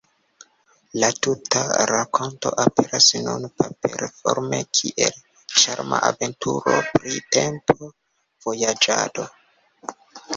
La tuta rakonto aperas nun paper-forme kiel ĉarma aventuro pri tempo-vojaĝado.